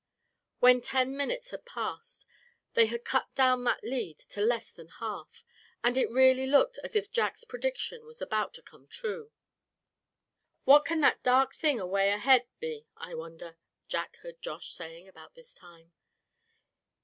When ten minutes had passed they had cut down that lead to less than half; and it really looked as if Jack's prediction was about to come true. "What can that dark thing away ahead be, I wonder?" Jack heard Josh saying about this time.